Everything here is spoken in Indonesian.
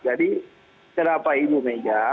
jadi kenapa ini bu mega